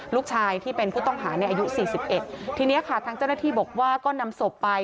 ลูกชายที่เป็นผู้ต้องหาในอายุสี่สิบเอ็ดทีนี้ค่ะทางเจ้าหน้าที่บอกว่าก็นำศพไป